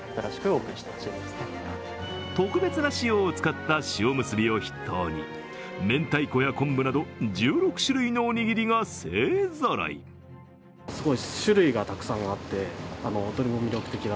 特別な塩を使った塩むすびを筆頭にめんたいこや昆布など１６種類のおにぎりが勢ぞろい。